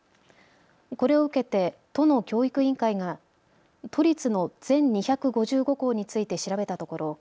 これを受けて都の教育委員会が都立の全２５５校について調べたところ